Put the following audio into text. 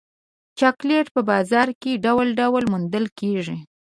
چاکلېټ په بازار کې ډول ډول موندل کېږي.